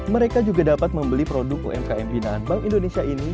mereka juga dapat membeli produk umkm binaan bank indonesia ini